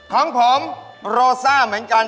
ของผมโรซ่าเหมือนกัน